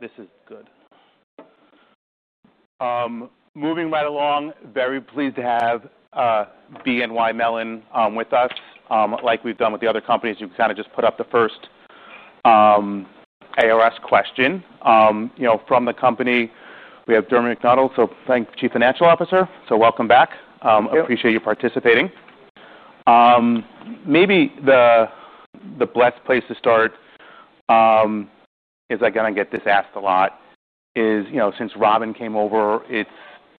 This is good. Moving right along, very pleased to have BNY Mellon with us. Like we've done with the other companies, we kind of just put up the first AOS question. From the company, we have Dermot McDonogh, Chief Financial Officer. Welcome back. Appreciate you participating. Maybe the best place to start, as I kind of get this asked a lot, is, since Robin came over, it's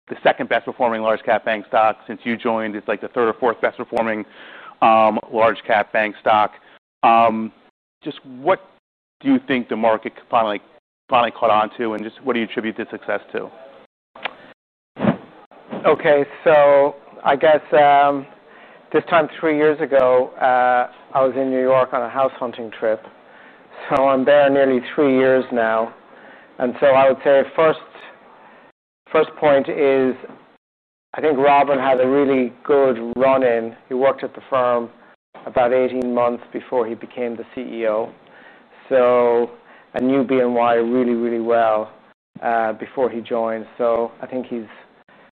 the second best-performing large-cap bank stock. Since you joined, it's like the third or fourth best-performing large-cap bank stock. What do you think the market finally caught on to, and what do you attribute the success to? Okay, so I guess this time, three years ago, I was in New York on a house hunting trip. I'm there nearly three years now. I would say first point is, I think Robin had a really good run-in. He worked at the firm about 18 months before he became the CEO. I knew BNY Mellon really, really well before he joined. I think he's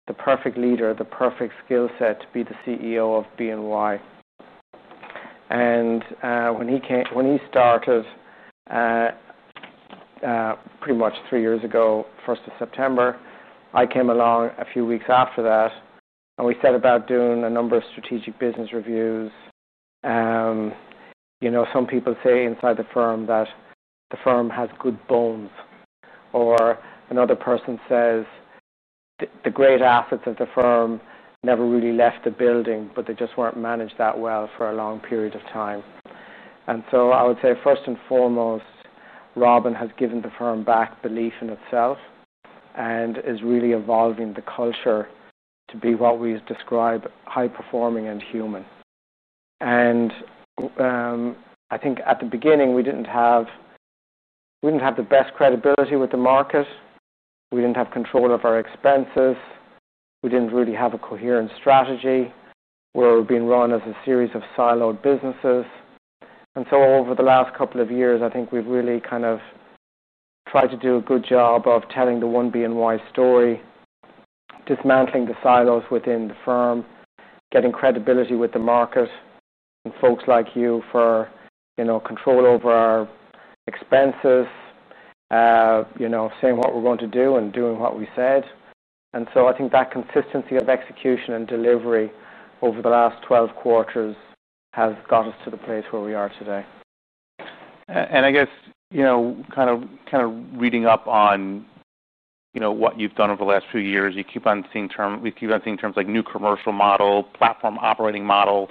the perfect leader, the perfect skill set to be the CEO of BNY Mellon. When he started pretty much three years ago, 1st of September, I came along a few weeks after that. We set about doing a number of strategic business reviews. Some people say inside the firm that the firm has good bones, or another person says the great assets at the firm never really left the building, but they just weren't managed that well for a long period of time. I would say first and foremost, Robin has given the firm back belief in itself and is really evolving the culture to be what we describe as high-performing and human. I think at the beginning, we didn't have the best credibility with the market. We didn't have control of our expenses. We didn't really have a coherent strategy. We were being run as a series of siloed businesses. Over the last couple of years, I think we've really kind of tried to do a good job of telling the one BNY Mellon story, dismantling the silos within the firm, getting credibility with the market, and folks like you for, you know, control over our expenses, saying what we're going to do and doing what we said. I think that consistency of execution and delivery over the last 12 quarters has got us to the place where we are today. I guess, kind of reading up on what you've done over the last few years, we keep on seeing terms like new commercial model, platform operating model.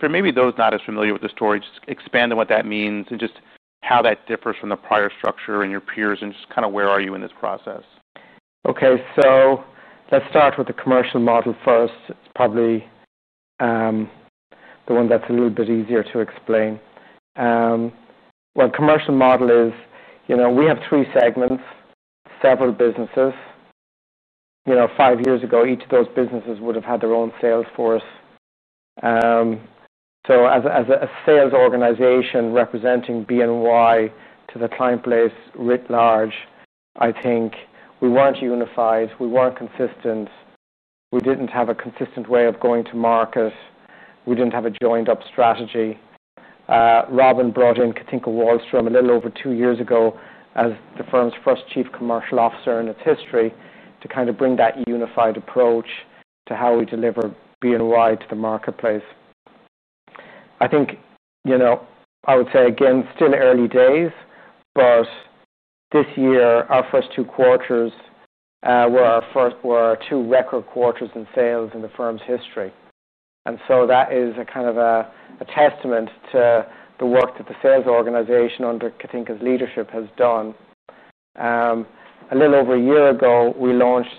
For maybe those not as familiar with the story, just expand on what that means and how that differs from the prior structure and your peers, and where are you in this process? Okay, so let's start with the commercial model first. It's probably the one that's a little bit easier to explain. The commercial model is, you know, we have three segments, several businesses. Five years ago, each of those businesses would have had their own sales force. As a sales organization representing BNY Mellon to the client base writ large, I think we weren't unified, we weren't consistent, we didn't have a consistent way of going to market, we didn't have a joined-up strategy. Robin brought in Katinka Wollstrom a little over two years ago as the firm's first Chief Commercial Officer in its history to kind of bring that unified approach to how we deliver BNY Mellon to the marketplace. I think, you know, I would say again, still early days, but this year, our first two quarters were our first two record quarters in sales in the firm's history. That is a kind of a testament to the work that the sales organization under Katinka's leadership has done. A little over a year ago, we launched,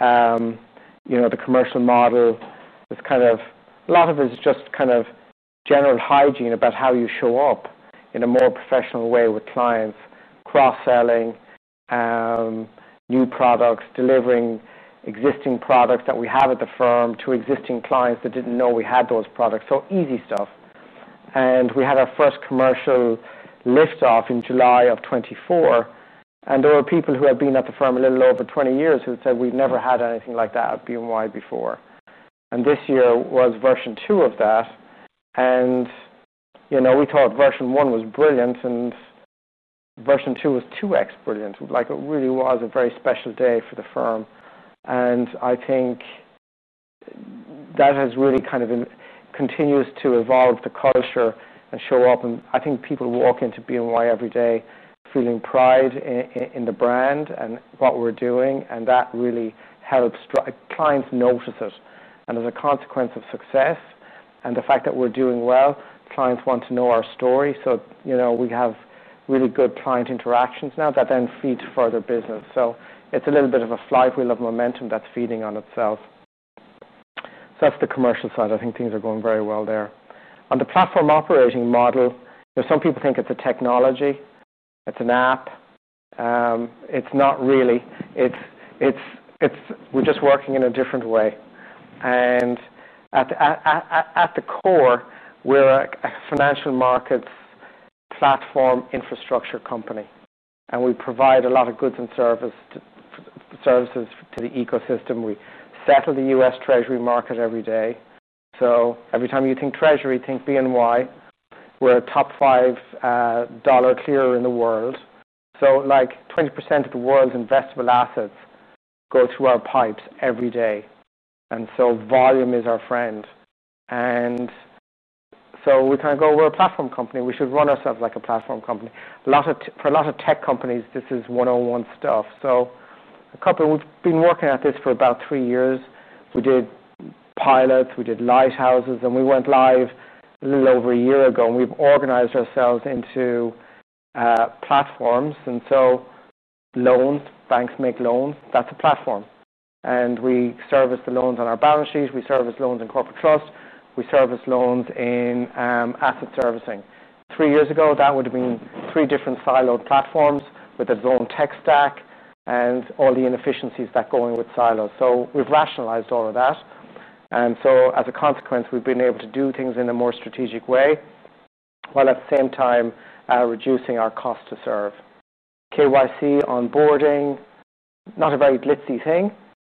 you know, the commercial model. A lot of it is just kind of general hygiene about how you show up in a more professional way with clients, cross-selling new products, delivering existing products that we have at the firm to existing clients that didn't know we had those products. Easy stuff. We had our first commercial liftoff in July of 2024. There were people who had been at the firm a little over 20 years who'd said we'd never had anything like that at BNY Mellon before. This year was version two of that. We thought version one was brilliant and version two was 2x brilliant. It really was a very special day for the firm. I think that has really kind of continued to evolve the culture and show up. I think people walk into BNY Mellon every day feeling pride in the brand and what we're doing. That really helps clients notice it. As a consequence of success and the fact that we're doing well, clients want to know our story. We have really good client interactions now that then feed further business. It's a little bit of a flywheel of momentum that's feeding on itself. That's the commercial side. I think things are going very well there. On the platform operating model, some people think it's a technology, it's an app. It's not really. We're just working in a different way. At the core, we're a financial markets platform infrastructure company. We provide a lot of goods and services to the ecosystem. We settle the U.S. Treasury market every day. Every time you think Treasury, think BNY Mellon. We're a top five dollar clearer in the world. 20% of the world's investable assets go through our pipes every day. Volume is our friend. We kind of go, we're a platform company. We should run ourselves like a platform company. For a lot of tech companies, this is one-on-one stuff. We've been working at this for about three years. We did pilots, we did lighthouses, and we went live a little over a year ago. We've organized ourselves into platforms. Loans, banks make loans, that's a platform. We service the loans on our balance sheets. We service loans in corporate trust. We service loans in asset servicing. Three years ago, that would have been three different siloed platforms with its own tech stack and all the inefficiencies that go in with silos. We've rationalized all of that. As a consequence, we've been able to do things in a more strategic way while at the same time reducing our cost to serve. KYC onboarding, not a very glitzy thing,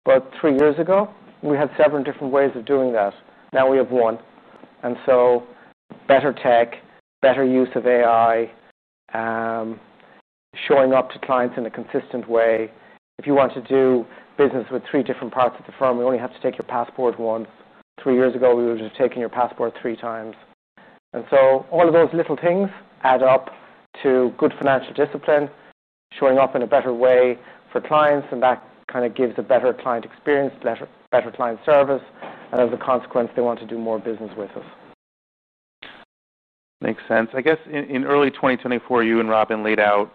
but three years ago, we had several different ways of doing that. Now we have one. Better tech, better use of AI, showing up to clients in a consistent way. If you want to do business with three different parts of the firm, you only have to take your passport once. Three years ago, we were just taking your passport three times. All of those little things add up to good financial discipline, showing up in a better way for clients, and that gives a better client experience, better client service, and as a consequence, they want to do more business with us. Makes sense. I guess in early 2024, you and Robin laid out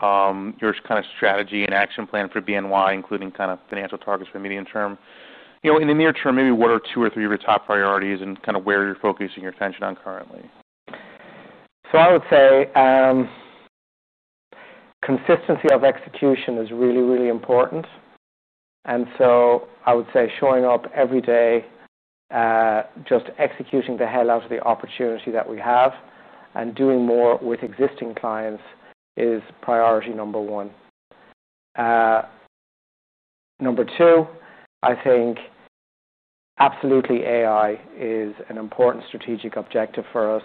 your kind of strategy and action plan for BNY Mellon, including kind of financial targets for the medium term. In the near term, maybe what are two or three of your top priorities and kind of where you're focusing your attention on currently? I would say consistency of execution is really, really important. I would say showing up every day, just executing the hell out of the opportunity that we have and doing more with existing clients is priority number one. Number two, I think absolutely AI is an important strategic objective for us.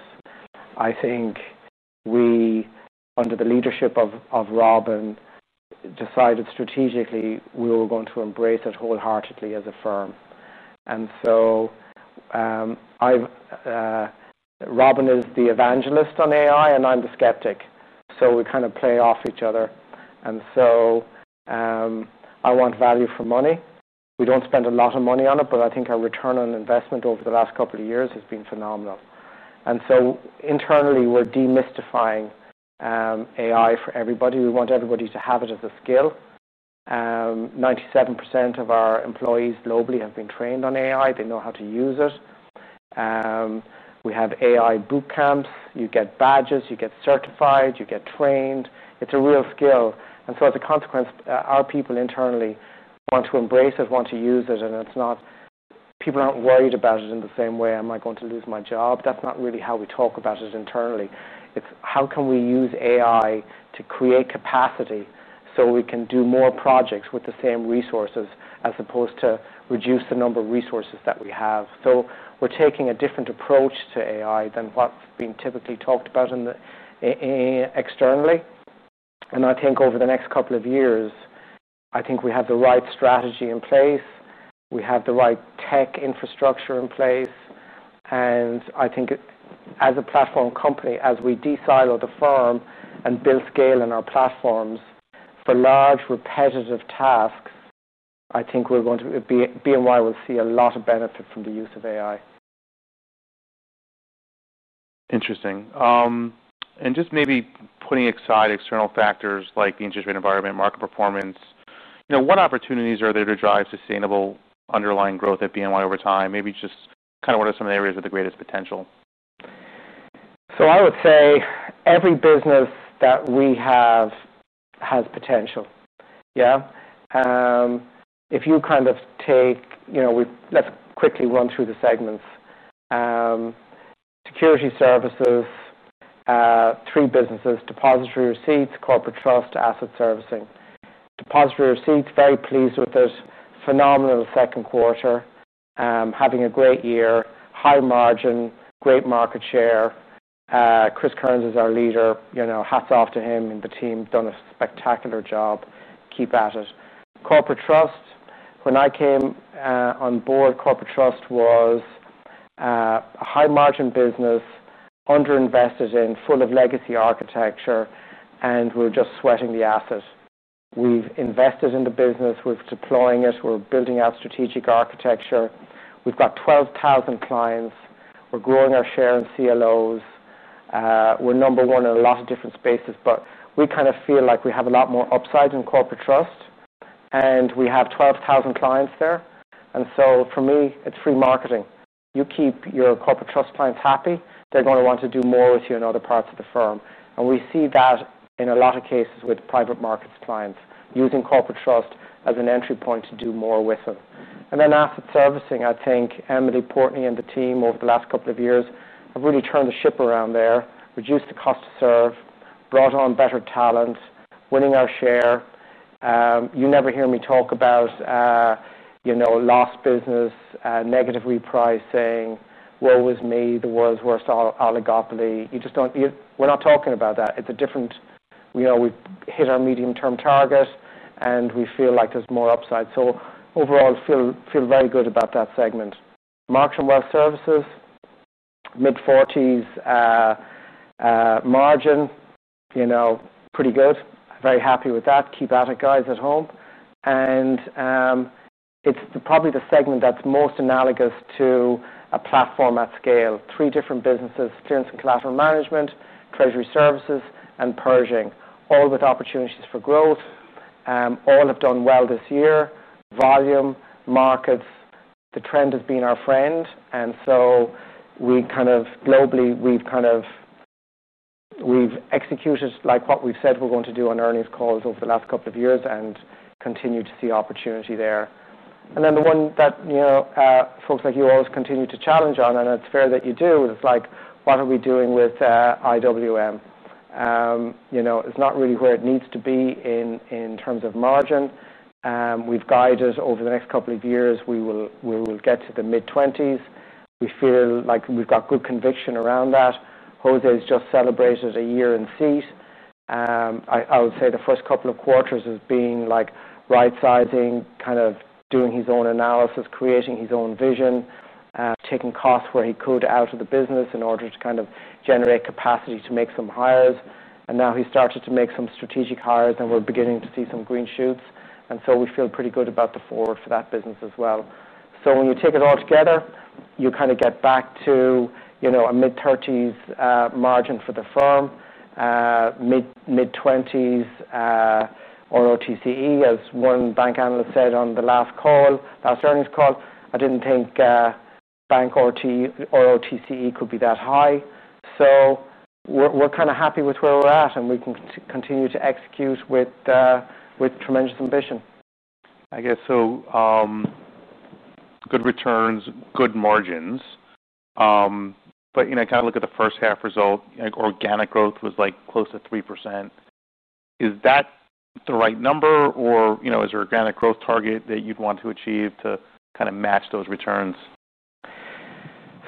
I think we, under the leadership of Robin Vince, decided strategically we were going to embrace it wholeheartedly as a firm. Robin is the evangelist on AI and I'm the skeptic. We kind of play off each other. I want value for money. We don't spend a lot of money on it, but I think our return on investment over the last couple of years has been phenomenal. Internally, we're demystifying AI for everybody. We want everybody to have it as a skill. 97% of our employees globally have been trained on AI. They know how to use it. We have AI bootcamps. You get badges, you get certified, you get trained. It's a real skill. As a consequence, our people internally want to embrace it, want to use it, and people aren't worried about it in the same way. Am I going to lose my job? That's not really how we talk about it internally. It's how can we use AI to create capacity so we can do more projects with the same resources as opposed to reduce the number of resources that we have. We're taking a different approach to AI than what's been typically talked about externally. I think over the next couple of years, we have the right strategy in place. We have the right tech infrastructure in place. I think as a platform company, as we de-silo the firm and build scale in our platforms for large repetitive tasks, BNY Mellon will see a lot of benefit from the use of AI. Interesting. Maybe putting aside external factors like the industry environment and market performance, what opportunities are there to drive sustainable underlying growth at BNY Mellon over time? Maybe just what are some of the areas of the greatest potential? I would say every business that we have has potential. If you kind of take, you know, let's quickly run through the segments. Security services, three businesses, depository receipts, corporate trust, asset servicing. Depository receipts, very pleased with this. Phenomenal second quarter, having a great year, high margin, great market share. Chris Kearns is our leader, you know, hats off to him and the team, done a spectacular job. Keep at it. Corporate trust, when I came on board, corporate trust was a high-margin business, underinvested in, full of legacy architecture, and we were just sweating the assets. We've invested in the business, we're deploying it, we're building out strategic architecture. We've got 12,000 clients, we're growing our share in CLOs, we're number one in a lot of different spaces, but we kind of feel like we have a lot more upside in corporate trust and we have 12,000 clients there. For me, it's free marketing. You keep your corporate trust clients happy, they're going to want to do more with you in other parts of the firm. We see that in a lot of cases with private markets clients, using corporate trust as an entry point to do more with them. Asset servicing, I think Emily Portney and the team over the last couple of years have really turned the ship around there, reduced the cost to serve, brought on better talent, winning our share. You never hear me talk about lost business, negative repricing, woe is me, the world's worst oligopoly. You just don't, we're not talking about that. It's a different, you know, we've hit our medium-term target and we feel like there's more upside. Overall, feel very good about that segment. Markets and Wealth services, mid-40s margin, pretty good. Very happy with that. Keep at it, guys at home. It's probably the segment that's most analogous to a platform at scale. Three different businesses, Clearance and Collateral Management, Treasury Services, and Pershing, all with opportunities for growth. All have done well this year. Volume, markets, the trend has been our friend. We kind of globally, we've executed like what we've said we're going to do on earnings calls over the last couple of years and continue to see opportunity there. The one that folks like you always continue to challenge on, and it's fair that you do, is like, what are we doing with IWM? You know, it's not really where it needs to be in terms of margin. We've guided over the next couple of years, we will get to the mid-20s. We feel like we've got good conviction around that. Jose's just celebrated a year in seat. I would say the first couple of quarters has been right-sizing, kind of doing his own analysis, creating his own vision, taking costs where he could out of the business in order to generate capacity to make some hires. Now he's started to make some strategic hires, and we're beginning to see some green shoots. We feel pretty good about the forward for that business as well. When you take it all together, you kind of get back to a mid-30s margin for the firm, mid-20s ROTCE, as one bank analyst said on the last earnings call. I didn't think bank ROTCE could be that high. We're kind of happy with where we're at, and we can continue to execute with tremendous ambition. I guess, good returns, good margins, but you know, I kind of look at the first half result, organic growth was like close to 3%. Is that the right number, or you know, is there an organic growth target that you'd want to achieve to kind of match those returns?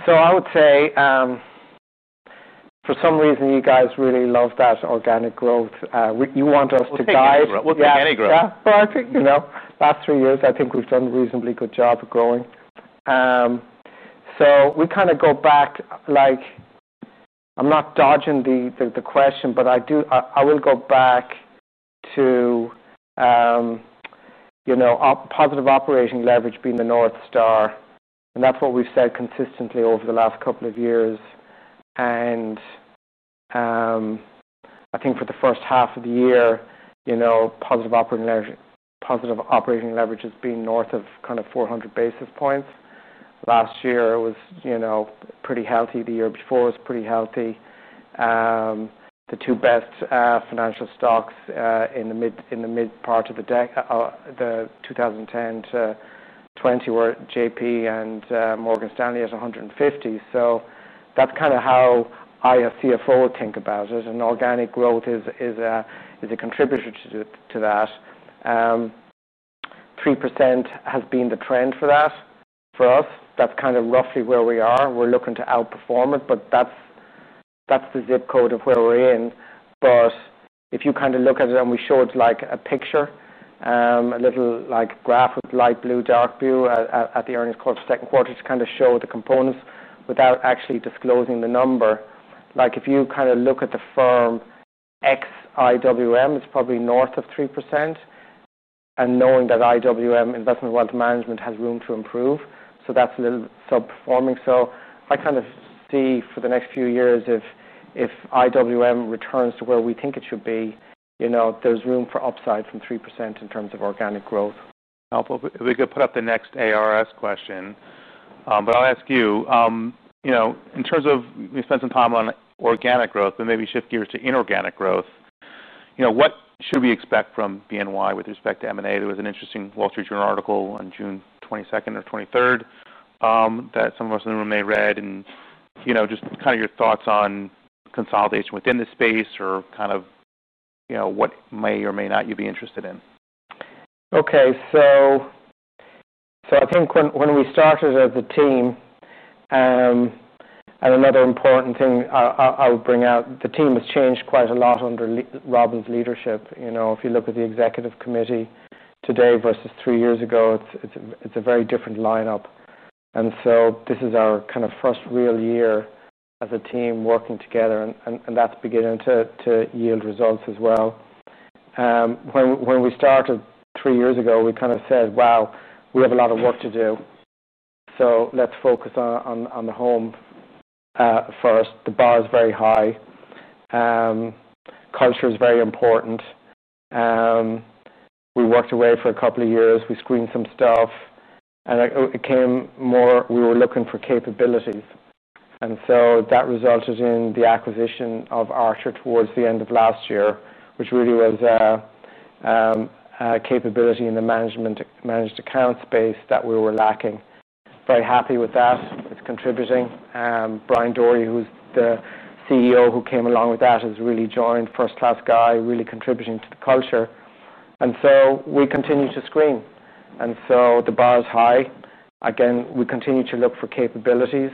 I would say, for some reason, you guys really love that organic growth. You want us to guide. Yeah, organic growth. Yeah, I think, you know, last three years, I think we've done a reasonably good job of growing. I do, I will go back to, you know, positive operating leverage being the North Star. That's what we've said consistently over the last couple of years. I think for the first half of the year, you know, positive operating leverage has been north of kind of 400 basis points. Last year was, you know, pretty healthy. The year before was pretty healthy. The two best financial stocks in the mid part of the decade, the 2010 to 2020, were JP and Morgan Stanley at 150. That's kind of how I, as CFO, think about it. Organic growth is a contributor to that. 3% has been the trend for that, for us. That's kind of roughly where we are. We're looking to outperform it, but that's the zip code of where we're in. If you kind of look at it, and we showed like a picture, a little like graph with light blue, dark blue at the earnings call for the second quarter to kind of show the components without actually disclosing the number. If you kind of look at the firm, ex IWM is probably north of 3%. Knowing that IWM, Investment and Wealth Management, has room to improve. That's a little sub-performing. I kind of see for the next few years, if IWM returns to where we think it should be, you know, there's room for upside from 3% in terms of organic growth. We could put up the next ARS question, but I'll ask you, in terms of we spent some time on organic growth, maybe shift gears to inorganic growth. What should we expect from BNY Mellon with respect to M&A? There was an interesting Wall Street Journal article on June 22nd or 23rd that some of us in the room may read, and just your thoughts on consolidation within this space or what may or may not you be interested in. Okay, I think when we started as a team, another important thing I'll bring out is the team has changed quite a lot under Robin's leadership. If you look at the executive committee today versus three years ago, it's a very different lineup. This is our kind of first real year as a team working together, and that's beginning to yield results as well. When we started three years ago, we kind of said, we have a lot of work to do. Let's focus on the home first. The bar is very high. Culture is very important. We worked away for a couple of years. We screened some stuff. It came more, we were looking for capabilities. That resulted in the acquisition of Archer towards the end of last year, which really was a capability in the managed account space that we were lacking. Very happy with that. It's contributing. Brian Doherty, who's the CEO who came along with that, has really joined, first-class guy, really contributing to the culture. We continue to screen. The bar is high. Again, we continue to look for capabilities.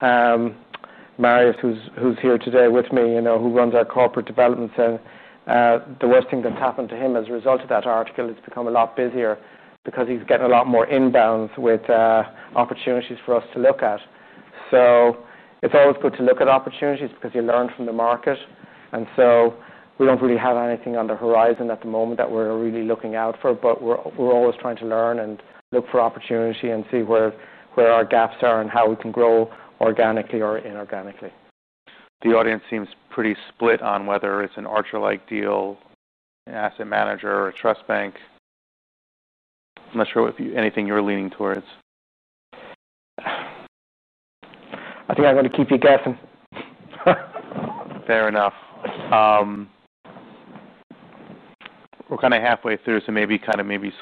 Marius, who's here today with me, who runs our corporate developments, the worst thing that's happened to him as a result of that article is he's become a lot busier because he's getting a lot more inbounds with opportunities for us to look at. It's always good to look at opportunities because you learn from the market. We don't really have anything on the horizon at the moment that we're really looking out for, but we're always trying to learn and look for opportunity and see where our gaps are and how we can grow organically or inorganically. The audience seems pretty split on whether it's an Archer-like deal, an asset manager, or a trust bank. I'm not sure what anything you're leaning towards. I think I'm going to keep you guessing. Fair enough. We're kind of halfway through, so maybe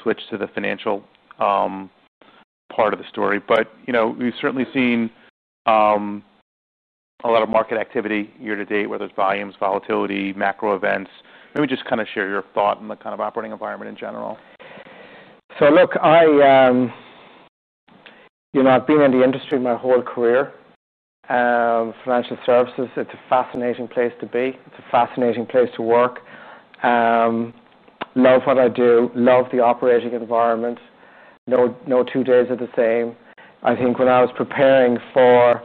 switch to the financial part of the story. You know, we've certainly seen a lot of market activity year to date, whether it's volumes, volatility, macro events. Maybe just share your thought on the operating environment in general. Look, you know, I've been in the industry my whole career. Financial services, it's a fascinating place to be. It's a fascinating place to work. Love what I do. Love the operating environment. No two days are the same. I think when I was preparing for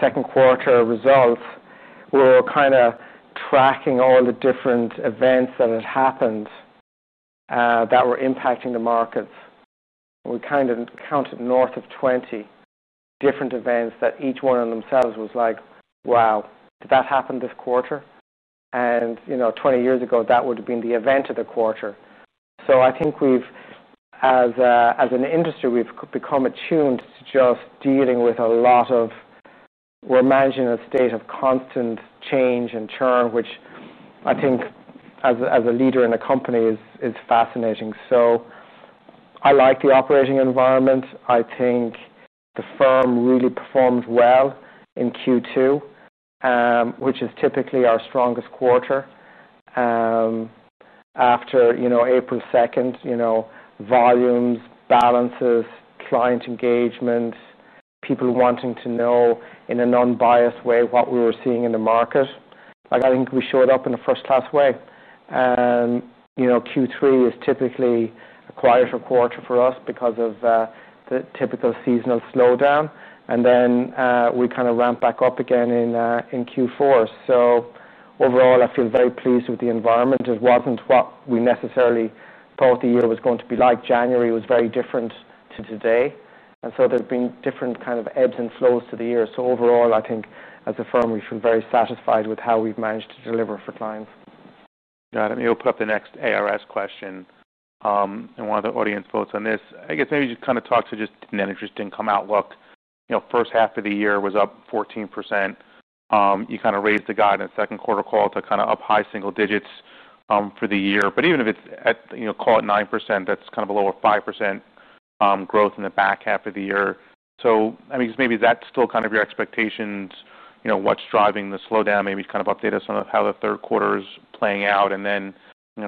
second quarter results, we were kind of tracking all the different events that had happened that were impacting the markets. We counted north of 20 different events that each one in themselves was like, wow, did that happen this quarter? You know, 20 years ago, that would have been the event of the quarter. I think as an industry, we've become attuned to just dealing with a lot of, we're managing a state of constant change and churn, which I think as a leader in the company is fascinating. I like the operating environment. I think the firm really performs well in Q2, which is typically our strongest quarter. After April 2, volumes, balances, client engagement, people wanting to know in a non-biased way what we were seeing in the market. I think we showed up in a first-class way. Q3 is typically a quieter quarter for us because of the typical seasonal slowdown, and then we ramp back up again in Q4. Overall, I feel very pleased with the environment. It wasn't what we necessarily thought the year was going to be like. January was very different to today, and so there have been different ebbs and flows to the year. Overall, I think as a firm, we've been very satisfied with how we've managed to deliver for clients. Got it. Let me open up the next ARS question. As one of the audience votes on this, I guess maybe just kind of talk to just an interesting come-out look. You know, first half of the year was up 14%. You kind of raised the guide in the second quarter call to kind of up high single digits for the year. Even if it's at, you know, call it 9%, that's kind of a lower 5% growth in the back half of the year. I mean, just maybe that's still kind of your expectations, you know, what's driving the slowdown. Maybe kind of update us on how the third quarter is playing out.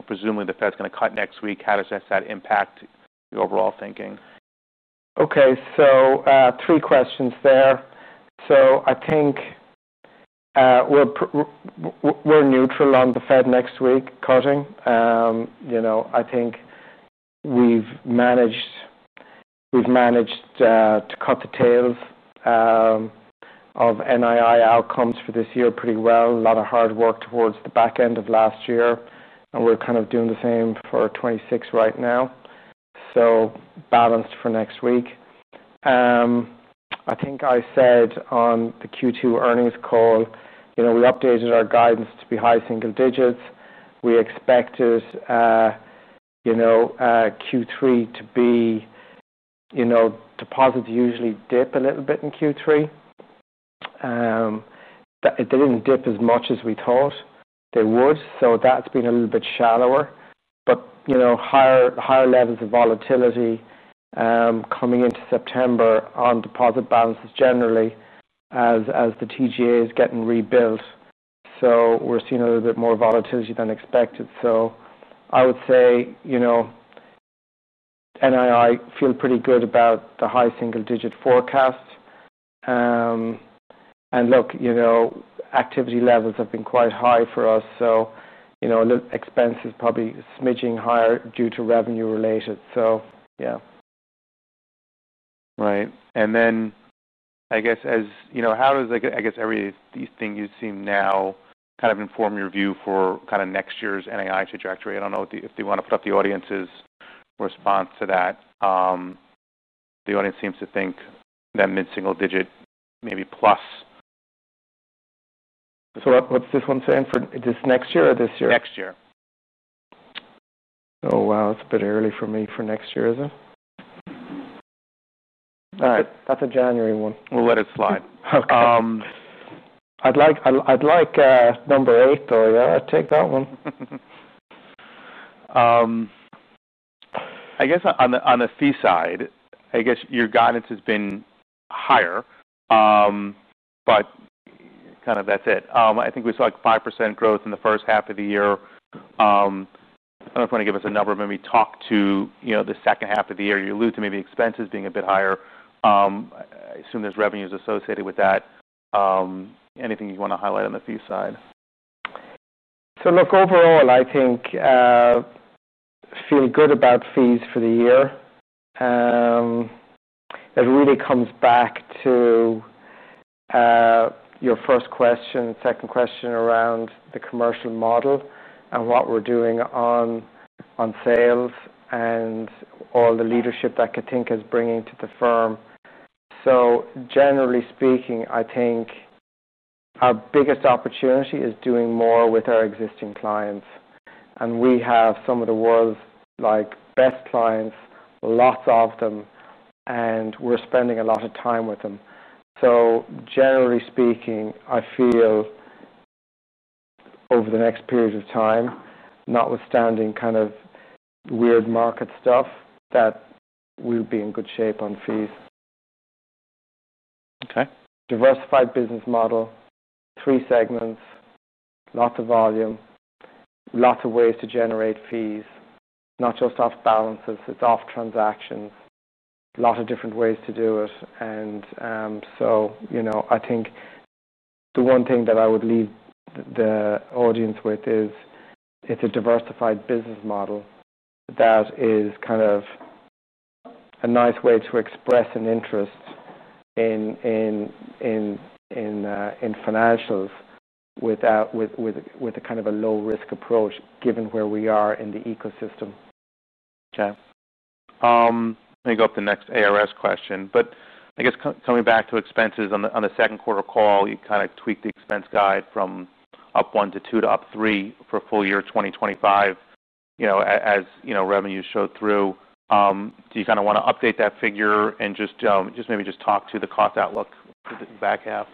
Presumably the Fed's going to cut next week. How does that impact your overall thinking? Okay, so three questions there. I think we're neutral on the Fed next week cutting. I think we've managed to cut the tails of NII outcomes for this year pretty well. A lot of hard work towards the back end of last year, and we're kind of doing the same for 2026 right now. Balanced for next week. I think I said on the Q2 earnings call, we updated our guidance to be high single digits. We expected Q3 to be, you know, deposits usually dip a little bit in Q3. They didn't dip as much as we thought they would. That's been a little bit shallower. Higher levels of volatility coming into September on deposit balances generally, as the TGA is getting rebuilt. We're seeing a little bit more volatility than expected. I would say NII feel pretty good about the high single digit forecast. Look, activity levels have been quite high for us. A little expense is probably smidging higher due to revenue related. Yeah. Right. I guess, as you know, how does everything you've seen now kind of inform your view for next year's NII trajectory? I don't know if they want to put up the audience's response to that. The audience seems to think that mid-single digit maybe plus. What’s this one saying for this next year or this year? Next year. Oh, wow. That's a bit early for me for next year, isn't it? All right, that's a January one. We'll let it slide. I'd like number eight, though. Yeah, I'd take that one. On the fee side, your guidance has been higher, but that's it. I think we saw 5% growth in the first half of the year. I don't know if you want to give us a number, but maybe talk to the second half of the year. You alluded to maybe expenses being a bit higher. I assume there's revenues associated with that. Anything you want to highlight on the fee side? Overall, I think I feel good about fees for the year. It really comes back to your first question, second question around the commercial model and what we're doing on sales and all the leadership that Katinka is bringing to the firm. Generally speaking, I think our biggest opportunity is doing more with our existing clients. We have some of the world's best clients, lots of them, and we're spending a lot of time with them. Generally speaking, I feel over the next period of time, notwithstanding kind of weird market stuff, that we'll be in good shape on fees. Okay. Diversified business model, three segments, lots of volume, lots of ways to generate fees, not just off balances, it's off transactions, lots of different ways to do it. I think the one thing that I would leave the audience with is it's a diversified business model that is kind of a nice way to express an interest in financials with a kind of a low-risk approach given where we are in the ecosystem. Okay. Let me go up to the next ARS question. I guess coming back to expenses, on the second quarter call, you kind of tweaked the expense guide from up 1% to 2% to up 3% for full year 2025. You know, as you know, revenue showed through. Do you want to update that figure and maybe just talk to the cost outlook for the back half?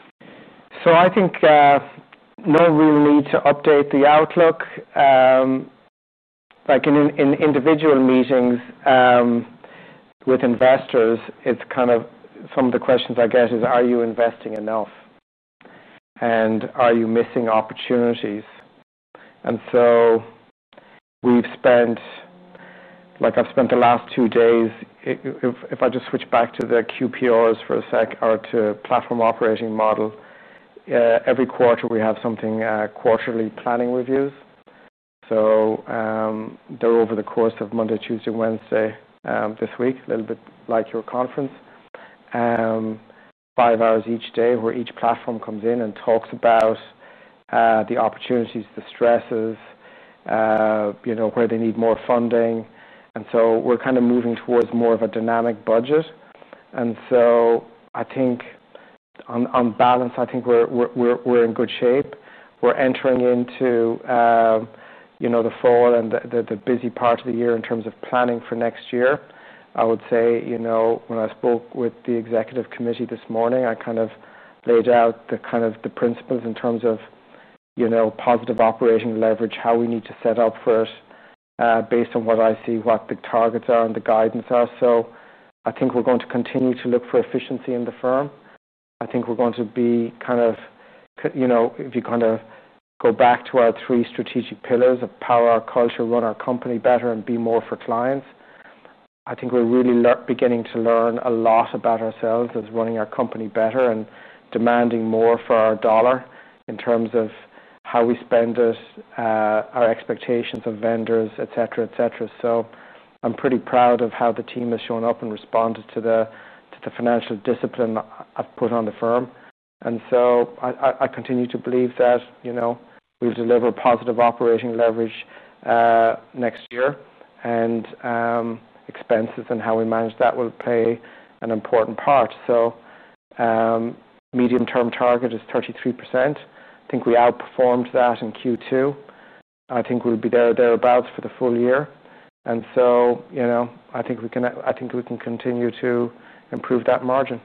I think no real need to update the outlook. Like in individual meetings with investors, it's kind of some of the questions I guess is, are you investing enough? Are you missing opportunities? I've spent the last two days, if I just switch back to the QPOs for a sec or to platform operating model, every quarter we have something, quarterly planning reviews. They're over the course of Monday, Tuesday, Wednesday this week, a little bit like your conference. Five hours each day where each platform comes in and talks about the opportunities, the stresses, where they need more funding. We're kind of moving towards more of a dynamic budget. I think on balance, I think we're in good shape. We're entering into the fall and the busy part of the year in terms of planning for next year. I would say, when I spoke with the Executive Committee this morning, I kind of laid out the principles in terms of positive operating leverage, how we need to set up for it based on what I see, what the targets are and the guidance are. I think we're going to continue to look for efficiency in the firm. I think we're going to be kind of, if you kind of go back to our three strategic pillars of power our culture, run our company better, and be more for clients. I think we're really beginning to learn a lot about ourselves as running our company better and demanding more for our dollar in terms of how we spend it, our expectations of vendors, et cetera, et cetera. I'm pretty proud of how the team has shown up and responded to the financial discipline I've put on the firm. I continue to believe that we'll deliver positive operating leverage next year. Expenses and how we manage that will play an important part. Medium-term target is 33%. I think we outperformed that in Q2. I think we'll be there or thereabouts for the full year. I think we can continue to improve that margin.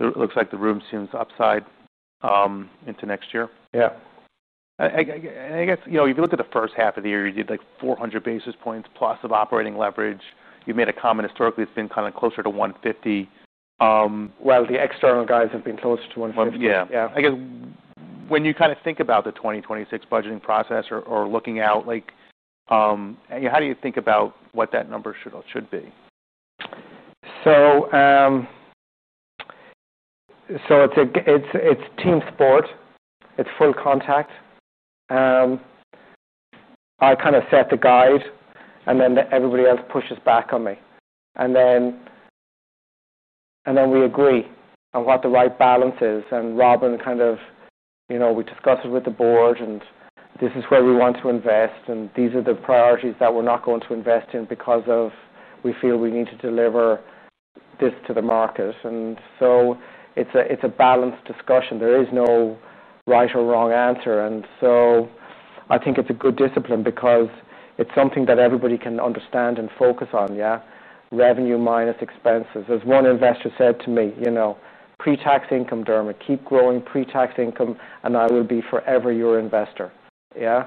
It looks like the room seems upside into next year. Yeah. If you look at the first half of the year, you did like 400 basis points plus of operating leverage. You've made a comment historically, it's been kind of closer to 150. The external guys have been closer to 150. Yeah. I guess when you kind of think about the 2026 budgeting process or looking out, how do you think about what that number should or should be? It's a team sport. It's full contact. I kind of set the guide, and then everybody else pushes back on me. Then we agree on what the right balance is. Robin, you know, we discuss it with the board, and this is where we want to invest, and these are the priorities that we're not going to invest in because we feel we need to deliver this to the market. It's a balanced discussion. There is no right or wrong answer. I think it's a good discipline because it's something that everybody can understand and focus on. Yeah. Revenue minus expenses. As one investor said to me, you know, pre-tax income, Dermot, keep growing pre-tax income, and I will be forever your investor. Yeah.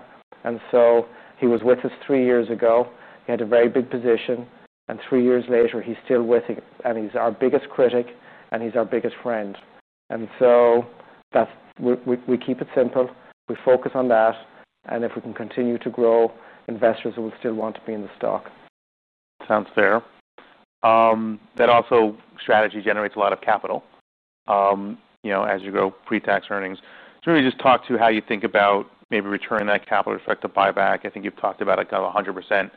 He was with us three years ago. He had a very big position. Three years later, he's still with it, and he's our biggest critic, and he's our biggest friend. We keep it simple. We focus on that. If we can continue to grow, investors will still want to be in the stock. Sounds fair. That also strategy generates a lot of capital, you know, as you grow pre-tax earnings. Maybe just talk to how you think about maybe returning that capital to effect the buyback. I think you've talked about it kind of a 100%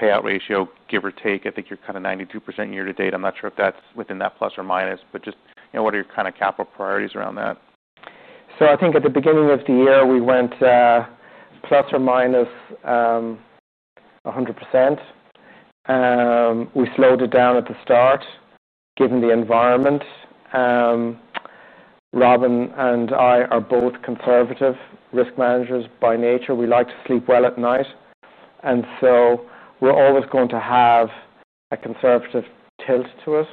payout ratio, give or take. I think you're kind of 92% year to date. I'm not sure if that's within that plus or minus, but just, you know, what are your kind of capital priorities around that? I think at the beginning of the year, we went plus or minus 100%. We slowed it down at the start, given the environment. Robin and I are both conservative risk managers by nature. We like to sleep well at night. We're always going to have a conservative tilt to us.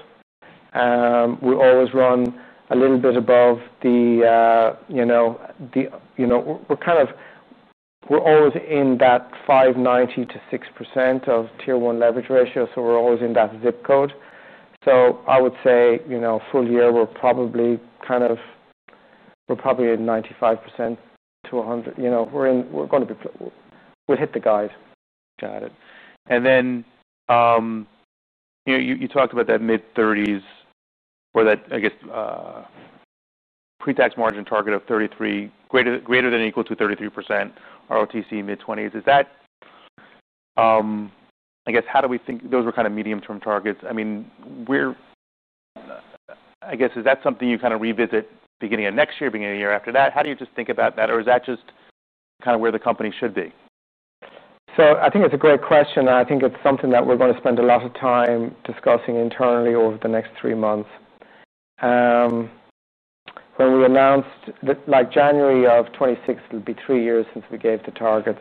We'll always run a little bit above the, you know, we're always in that 590 to 6% of tier one leverage ratio. We're always in that zip code. I would say, full year, we're probably at 95% to 100%. We're going to be, we'll hit the guide. Got it. You talked about that mid-30s or that, I guess, pre-tax margin target of 33%, greater than or equal to 33% ROTCE mid-20s. Is that, I guess, how do we think those were kind of medium-term targets? I mean, is that something you kind of revisit beginning of next year, beginning of the year after that? How do you just think about that? Or is that just kind of where the company should be? I think it's a great question. I think it's something that we're going to spend a lot of time discussing internally over the next three months. When we announced that, like January of 2026, it'll be three years since we gave the targets.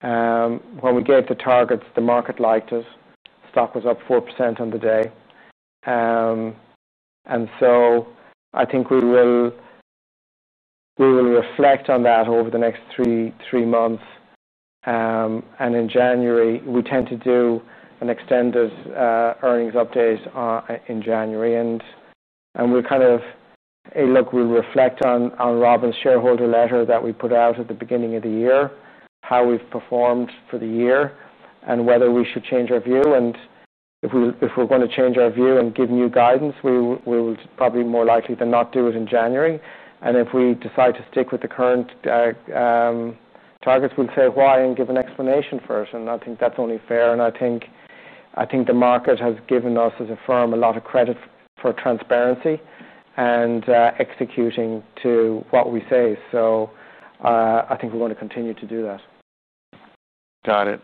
When we gave the targets, the market liked it. Stock was up 4% on the day. I think we will reflect on that over the next three months. In January, we tend to do an extended earnings update. We're kind of, hey, look, we'll reflect on Robin's shareholder letter that we put out at the beginning of the year, how we've performed for the year, and whether we should change our view. If we're going to change our view and give new guidance, we'll probably more likely than not do it in January. If we decide to stick with the current targets, we'll say why and give an explanation first. I think that's only fair. I think the market has given us as a firm a lot of credit for transparency and executing to what we say. I think we're going to continue to do that. Got it.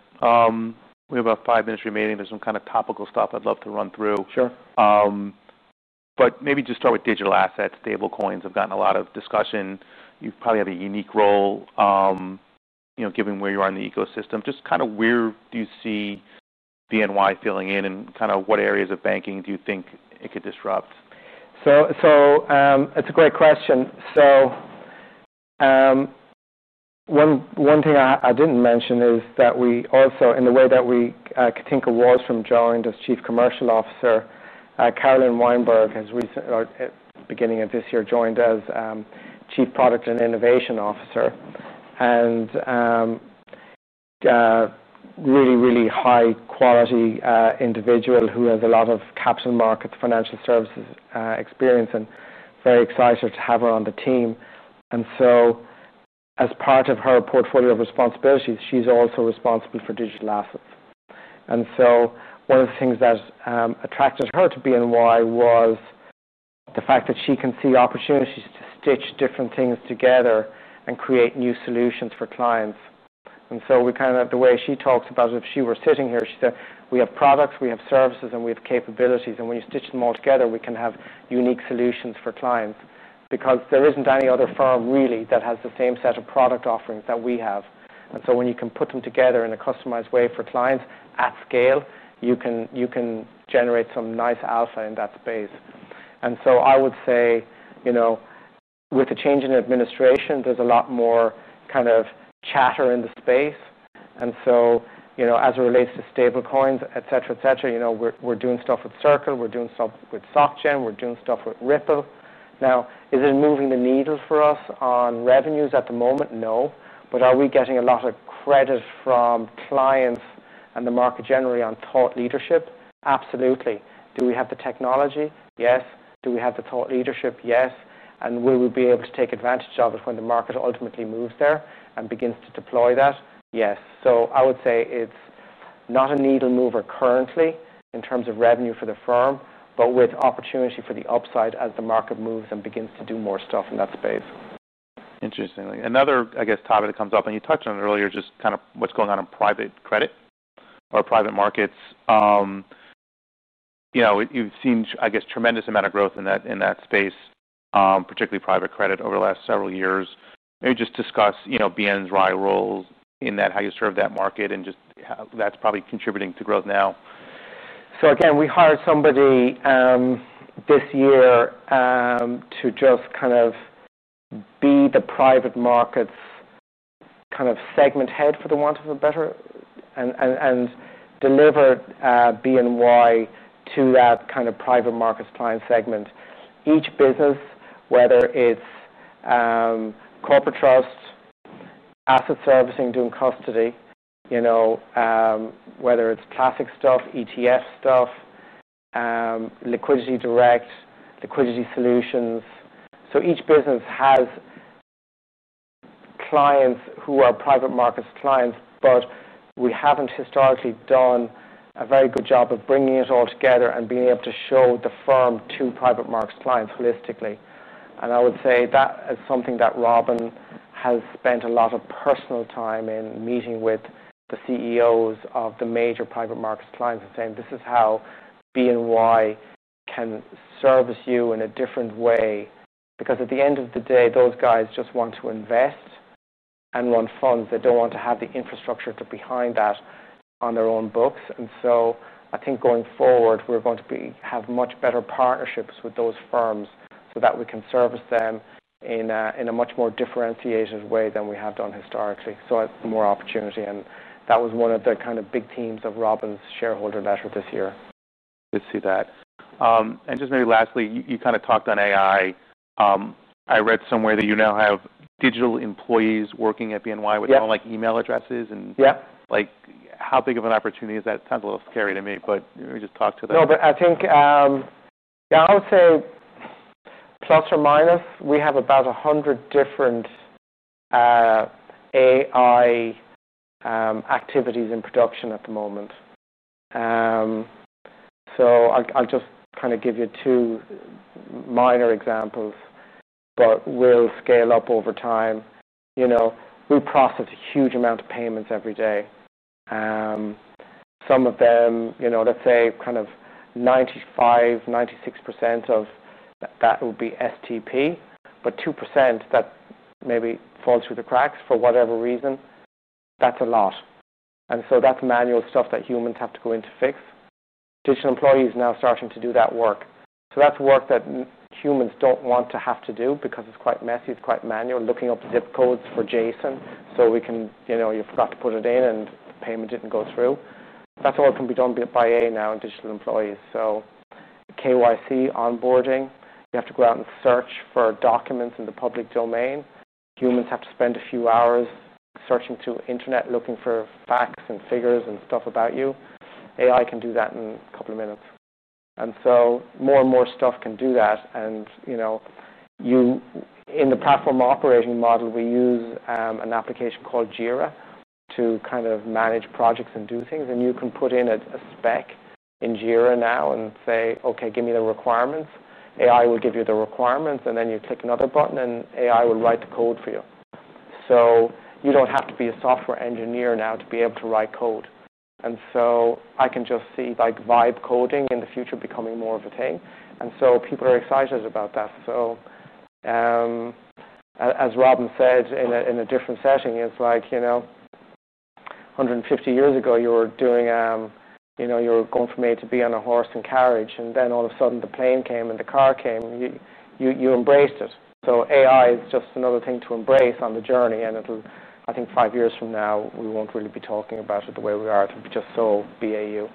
We have about five minutes remaining. There's some kind of topical stuff I'd love to run through. Sure. Maybe just start with digital assets. Stablecoins have gotten a lot of discussion. You've probably had a unique role, you know, given where you are in the ecosystem. Just kind of where do you see BNY Mellon filling in and kind of what areas of banking do you think it could disrupt? It's a great question. One thing I didn't mention is that we also, in the way that Katinka Wollstrom was from joining as Chief Commercial Officer, Carolyn Weinberg has recently, at the beginning of this year, joined as Chief Product and Innovation Officer. A really, really high-quality individual who has a lot of capital market financial services experience. Very excited to have her on the team. As part of her portfolio of responsibilities, she's also responsible for digital assets. One of the things that attracted her to BNY Mellon was the fact that she can see opportunities to stitch different things together and create new solutions for clients. The way she talks about it, if she were sitting here, she said, we have products, we have services, and we have capabilities. When you stitch them all together, we can have unique solutions for clients because there isn't any other firm really that has the same set of product offerings that we have. When you can put them together in a customized way for clients at scale, you can generate some nice alpha in that space. I would say, with the change in administration, there's a lot more kind of chatter in the space. As it relates to stablecoins, we're doing stuff with Circle, we're doing stuff with Société Générale, we're doing stuff with Ripple. Now, is it moving the needle for us on revenues at the moment? No, but are we getting a lot of credit from clients and the market generally on thought leadership? Absolutely. Do we have the technology? Yes. Do we have the thought leadership? Yes. Will we be able to take advantage of it when the market ultimately moves there and begins to deploy that? Yes. I would say it's not a needle mover currently in terms of revenue for the firm, but with opportunity for the upside as the market moves and begins to do more stuff in that space. Interesting. Another topic that comes up, and you touched on it earlier, just kind of what's going on in private credit or private markets. You've seen a tremendous amount of growth in that space, particularly private credit over the last several years. Maybe just discuss BNY Mellon's role in that, how you serve that market, and that's probably contributing to growth now. We hired somebody this year to just kind of be the private markets segment head, for the want of a better term, and deliver BNY Mellon to that private markets client segment. Each business, whether it's corporate trust, asset servicing, doing custody, whether it's classic stuff, ETF stuff, LiquidityDirect, liquidity solutions, each business has clients who are private markets clients, but we haven't historically done a very good job of bringing it all together and being able to show the firm to private markets clients holistically. I would say that is something that Robin has spent a lot of personal time in, meeting with the CEOs of the major private markets clients and saying, this is how BNY Mellon can service you in a different way. At the end of the day, those clients just want to invest and run funds. They don't want to have the infrastructure behind that on their own books. I think going forward, we're going to have much better partnerships with those firms so that we can service them in a much more differentiated way than we have done historically. There is more opportunity, and that was one of the big themes of Robin's shareholder letter this year. Good to see that. Just maybe lastly, you kind of talked on AI. I read somewhere that you now have digital employees working at BNY Mellon with like email addresses. How big of an opportunity is that? It sounds a little scary to me, but we just talked to them. No, I think, yeah, I would say plus or minus, we have about 100 different AI activities in production at the moment. I'll just give you two minor examples, but they will scale up over time. We process a huge amount of payments every day. Some of them, let's say kind of 95%, 96% of that would be STP, but 2% that maybe falls through the cracks for whatever reason, that's a lot. That's manual stuff that humans have to go in to fix. Digital employees are now starting to do that work. That's work that humans don't want to have to do because it's quite messy. It's quite manual, looking up zip codes for JSON so we can, you know, you forgot to put it in and payment didn't go through. That all can be done by AI now in digital employees. KYC onboarding, you have to go out and search for documents in the public domain. Humans have to spend a few hours searching through the internet, looking for facts and figures and stuff about you. AI can do that in a couple of minutes. More and more stuff can do that. In the platform operating model, we use an application called Jira to manage projects and do things. You can put in a spec in Jira now and say, okay, give me the requirements. AI will give you the requirements, and then you click another button and AI will write the code for you. You don't have to be a software engineer now to be able to write code. I can just see live coding in the future becoming more of a thing. People are excited about that. As Robin said in a different setting, it's like, you know, 150 years ago, you were going from A to B on a horse and carriage, and then all of a sudden the plane came and the car came, and you embraced it. AI is just another thing to embrace on the journey. I think five years from now, we won't really be talking about it the way we are. It'll be just so BAU.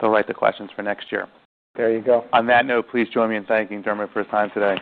They'll write the questions for next year. There you go. On that note, please join me in thanking Dermot for his time today.